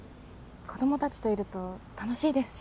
子どもたちといると楽しいですし。